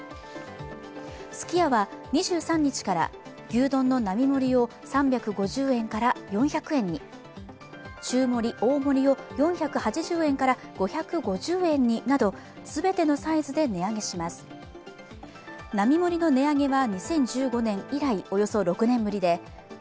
すき家は２３日から牛丼の並盛を３５０円から４００円に、中盛・大盛を４８０円から５５０円になど全てのサイズで値上げします。